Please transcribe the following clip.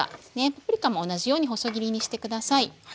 パプリカも同じように細切りにして下さい。